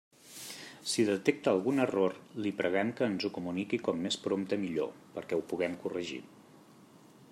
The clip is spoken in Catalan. Si detecta algun error, li preguem que ens ho comunique com més prompte millor perquè ho puguem corregir.